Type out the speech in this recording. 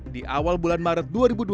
di awal bulan maret dua ribu dua puluh